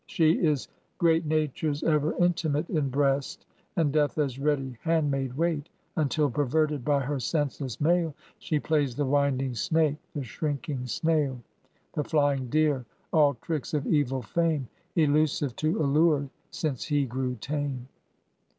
She is great Nature's ever intimate In breast, and doth as ready handmaid wait, Until perverted by her senseless male, She plays the winding snake, the shrinking snail, The flying deer, all tricks of evil fame, Elusive to allure, since he grew tame.